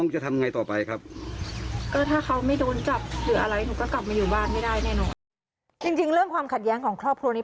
เรื่องความขัดแย้งของครอบครัวนี้